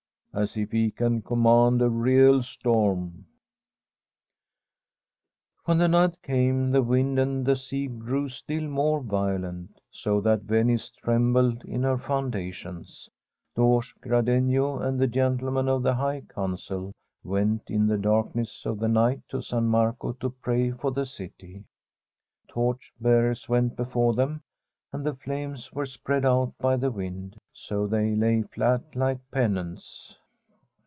As if he can command a real storm I ' When night came the wind and the sea grew still more violent, so that Venice trembled in her foundations. Doge Gradenigo and the Gentle men of the High Council went in the darkness of the night to San Marco to pray for the city. Torch bearers went before them, and the flames were spread out by the wind, so that they lay flat, like pennants.